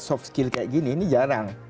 soft skill kayak gini ini jarang